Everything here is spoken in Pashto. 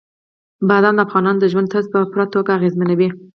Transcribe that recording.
بادام د افغانانو د ژوند طرز په پوره توګه اغېزمنوي.